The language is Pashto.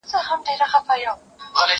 زه اوبه پاکې کړې دي،